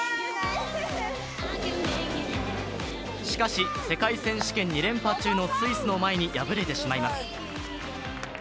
しかし、世界選手権２連覇中のスイスの前に敗れてしまいます。